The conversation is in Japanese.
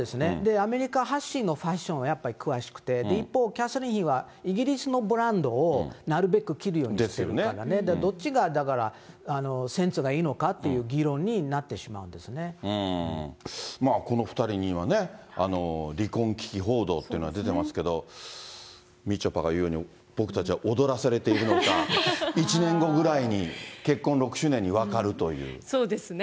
アメリカ発信のファッションはやっぱり詳しくて、一方、キャサリン妃はイギリスのブランドをなるべく着るようにしてるからね、だからどっちがセンスがいいのかっていう議論になってしままあ、この２人にはね、離婚危機報道というのが出てますけど、みちょぱが言うように、僕たちは踊らされているのか、１年後ぐらいに結婚６周年に分かるそうですね。